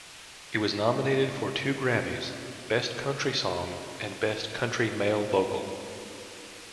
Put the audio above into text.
It was nominated for two Grammys: Best Country Song and Best Country Male Vocal.